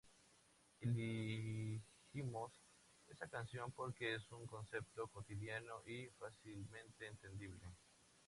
Elegimos esa canción porque es un concepto cotidiano y fácilmente entendible".